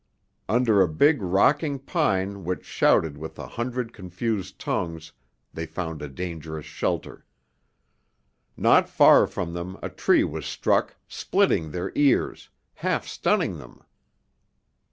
Under a big rocking pine which shouted with a hundred confused tongues they found a dangerous shelter. Not far from them a tree was struck, splitting their ears, half stunning them.